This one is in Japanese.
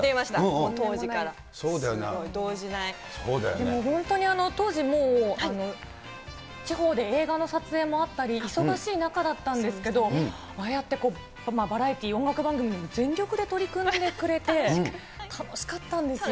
でも本当に、当時もう、地方で映画の撮影もあったり、忙しい中だったんですけど、ああやってこう、バラエティー、音楽番組にも全力で取り組んでくれて、楽しかったんですよ。